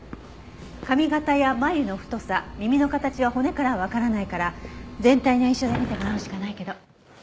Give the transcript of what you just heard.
髪形や眉の太さ耳の形は骨からはわからないから全体の印象で見てもらうしかないけど。